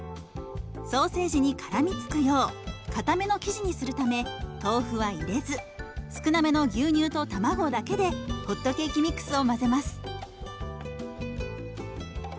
ソーセージにからみつくようかための生地にするため豆腐は入れず少なめの牛乳と卵だけでホットケーキミックスを混ぜます。